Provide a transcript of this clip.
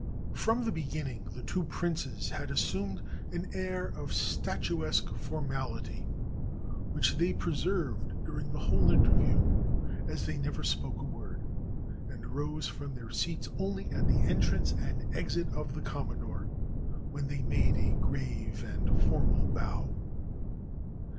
From the beginning the two princes had assumed an air of statuesque formahty, which they preserved during the whole interview, as they never spoke a word, and rose from their seats only at the entrance and exit of the Commodore, when they made a grave and formal bow.